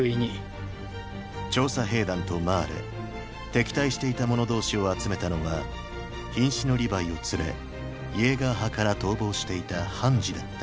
調査兵団とマーレ敵対していたもの同士を集めたのは瀕死のリヴァイを連れイェーガー派から逃亡していたハンジだった。